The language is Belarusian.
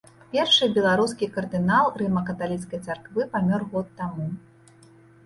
Першы беларускі кардынал рыма-каталіцкай царквы памёр год таму.